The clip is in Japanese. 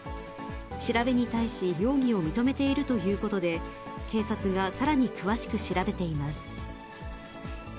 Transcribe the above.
調べに対し、容疑を認めているということで、警察がさらに詳しく調べています。